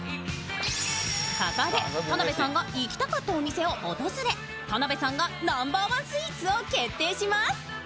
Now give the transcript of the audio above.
ここで田辺さんが行きたかったお店に訪れ、田辺さんがナンバーワンスイーツを決定します。